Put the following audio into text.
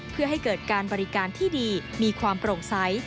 เพื่อให้เกิดการบริการที่ดีมีความโปร่งใส